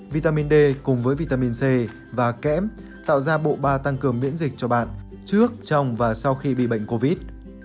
vitamin d cùng với vitamin c và kẽm tạo ra bộ ba tăng cường miễn dịch cho bạn trước trong và sau khi bị bệnh covid